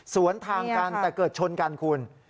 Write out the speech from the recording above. สวนทางกันแต่เกิดชนกันคุณ